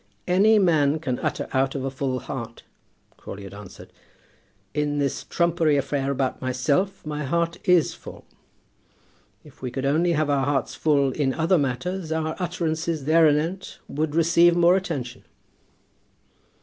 "Any man can utter out of a full heart," Crawley had answered. "In this trumpery affair about myself, my heart is full! If we could only have our hearts full in other matters, our utterances thereanent would receive more attention."